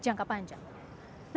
yang ketiga sebagai perusahaan